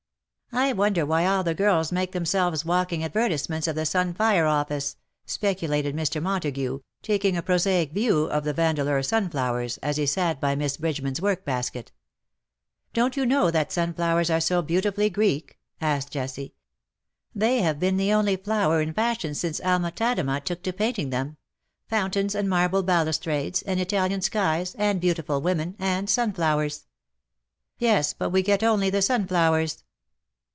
" I wonder why all the girls make themselves walking advertisements of the Sun Fire Office/^ speculated Mr. Montagu, taking a prosaic view of the Vandeleur sunflowers, as he sat by Miss Bridgeman^s work basket. " Don^t you know that sunflowers are so beauti fully Greek T' asked Jessie. " They have been the only flower in fashion since Alma Tadema took to painting them — fountains, and marble balustrades, and Italian skies, and beautiful women, and sun flowers.^^ " Yes ; but we get only the sunflowers.'